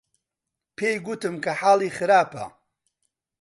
پێی گوتم کە حاڵی خراپە.